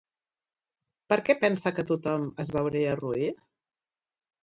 Per què pensa que tothom es veuria roí?